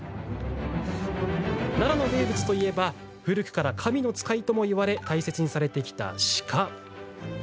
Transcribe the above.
奈良の名物といえば古くから、神の使いともいわれ大切にされてきた鹿。